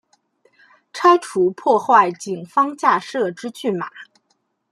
拆除破坏警方架设之拒马